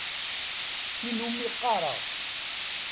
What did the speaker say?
Tin umi qqareɣ.